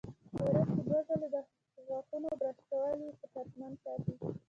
په ورځ کې دوه ځله د غاښونو برش کول یې صحتمند ساتي.